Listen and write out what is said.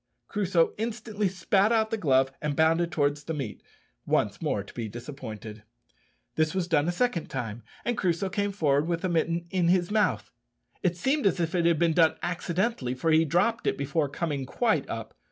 Crusoe instantly spat out the glove and bounded towards the meat once more to be disappointed. This was done a second time, and Crusoe came forward with the mitten in his mouth. It seemed as if it had been done accidentally, for he dropped it before coming quite up.